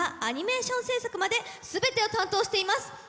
アニメーション制作まで全てを担当しています